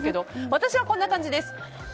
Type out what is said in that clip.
私はこんな感じです。